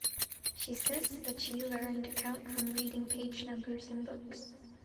She says that she learnt to count from reading page numbers in books.